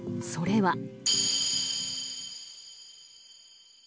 それは。